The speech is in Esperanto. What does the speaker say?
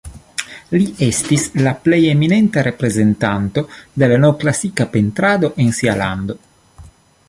Li estis la plej eminenta reprezentanto de la novklasika pentrado en sia lando.